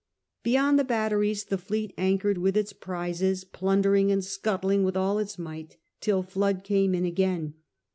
Beyond the batteries the fleet anchored with its prizes, plundering and scuttling with all its might, till the flood came in again.